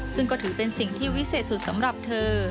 ซึ่งก็ถือเป็นสิ่งที่วิเศษสุดสำหรับเธอ